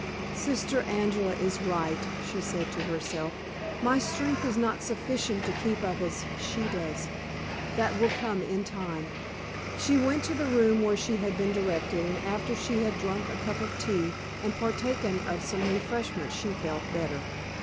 "Sister Angela is right," she said to herself. "My strength is not sufficient to keep up as she does. That will come in time." She went to the room where she had been directed, and after she had drunk a cup of tea and partaken of some refreshment she felt better.